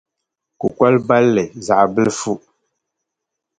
kukol’ balli zaɣ’ bilifu.